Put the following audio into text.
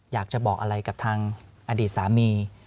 อยากจะบอกอะไรกับทางอดีตสามี